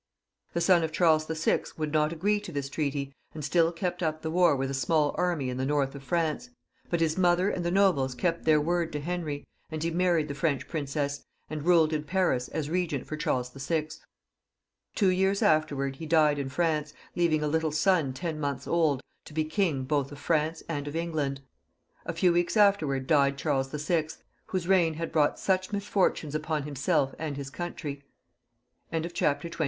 The son of Charles VI. would not agree to this treaty, and still kept up the war with a small army in the north of France ; but his mother and the nobles kept their word to Henry, and he married the French Princess, and ruled in Paris, as regent for Charles VI. Two years after he died in France, leaving a little son ten months old, to be king both of France and of England. A few weeks afterwards died Charles VI., whose reign had brought such misfortunes upon himself and his country. XXX.] CHARLES VIL 199 CHAPTEE XXX.